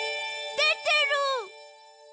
でてる！